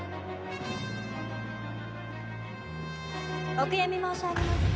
お悔やみ申し上げます。